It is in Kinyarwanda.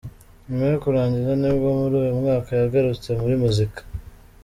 Nyuma yo kurangiza nibwo muri uyu mwaka yagarutse muri muzika.